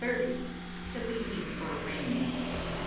THE MEETING FOR RAIN.